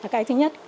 cái thứ nhất